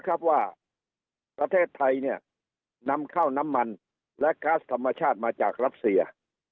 ครับว่าประเทศไทยเนี่ยนำข้าวน้ำมันและก๊าซธรรมชาติมาจากรัสเซีย